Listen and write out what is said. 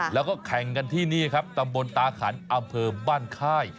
แล้วก็แข่งกันที่นี่ครับตำบลตาขันอำเภอบ้านค่าย